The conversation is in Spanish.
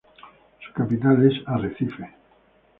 Su capital es Arrecife.